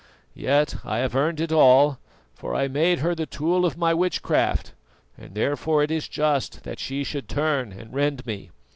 Yet I have earned it all, for I made her the tool of my witchcraft, and therefore it is just that she should turn and rend me.